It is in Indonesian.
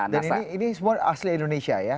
dan ini semua asli indonesia ya